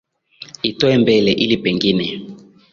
itoa mbele ili pengine